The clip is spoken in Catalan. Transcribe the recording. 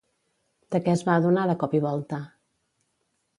De què es va adonar de cop i volta?